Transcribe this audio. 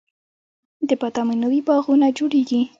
د بادامو نوي باغونه جوړیږي